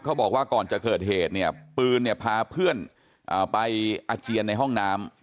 บอกว่าก่อนจะเกิดเหตุเนี่ยปืนเนี่ยพาเพื่อนไปอาเจียนในห้องน้ำ